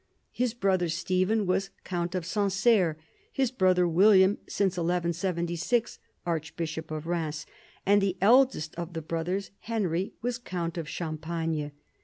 His brother Stephen was count of Sancerre, his brother William since 1176 archbishop of Rheims, and the eldest of the brothers, Henry, was count of Champagne.